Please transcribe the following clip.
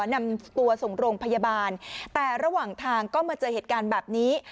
นำตัวส่งโรงพยาบาลแต่ระหว่างทางก็มาเจอเหตุการณ์แบบนี้